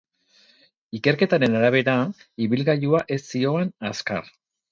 Ikerketaren arabera, ibilgailua ez zihoan azkar.